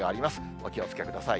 お気をつけください。